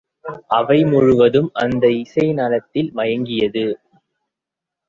அவை முழுவதும், அந்த இசை நலத்தில் மயங்கியது.